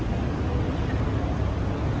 คุณอยู่ในโรงพยาบาลนะ